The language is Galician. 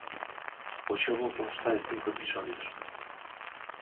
O xogo consta de cinco episodios.